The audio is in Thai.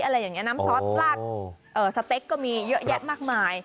อะไรอย่างนี้น้ำซอสลาดสเต็กก็มีเยอะแยะมากมาย